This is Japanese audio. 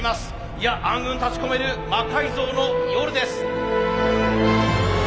いや暗雲立ち込める「魔改造の夜」です。